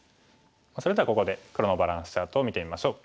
それではここで黒のバランスチャートを見てみましょう。